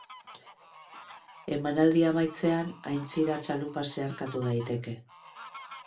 Emanaldia amaitzean aintzira txalupaz zeharkatu daiteke.